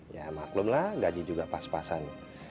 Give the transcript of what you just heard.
ya maklumlah gaji juga pas pasan